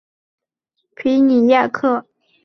皮尼亚克。